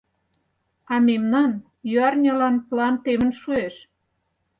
А мемнан — ӱярнялан план темын шуэш...